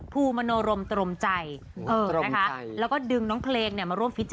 ตรมใจตรมใจเออนะคะแล้วก็ดึงน้องเครงเนี่ยมาร่วม